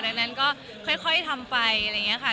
ดังนั้นก็ค่อยทำไปอะไรอย่างนี้ค่ะ